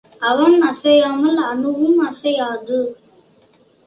அவன் அசையாமல் அனுவும் அசையாது.